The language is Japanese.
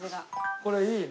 これいいね。